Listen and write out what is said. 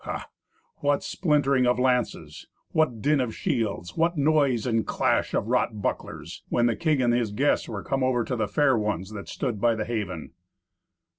Ha! what splintering of lances, what din of shields, what noise and clash of wrought bucklers, when the king and his guests were come over to the fair ones that stood by the haven!